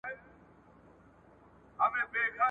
او له دغه امله یې !.